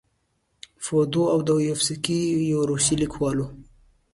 فودور اودویفسکي یو روسي لیکوال و.